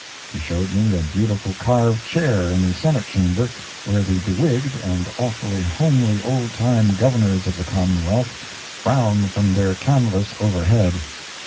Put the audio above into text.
He showed me a beautiful carved chair in the Senate Chamber, where the bewigged and awfully homely old time Governors of the Commonwealth frown from their canvasse overhead.